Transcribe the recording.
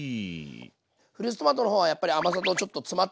フルーツトマトの方はやっぱり甘さとちょっと詰まったコクがあるんで。